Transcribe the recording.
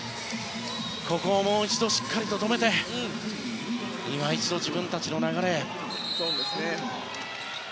ここはもう一度、しっかり止めていま一度、自分たちの流れへ。